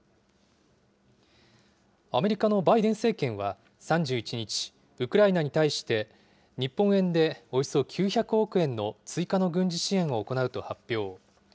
アメリカのバイデン政権は３１日、ウクライナに対して日本円でおよそ９００億円の追加の軍事支援を行うと発表。